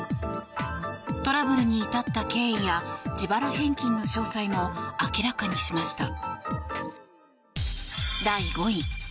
トラブルに至った経緯や自腹返金の詳細も明らかにしました。